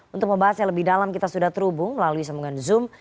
untuk membahasnya lebih dalam kita sudah terhubung melalui sambungan zoom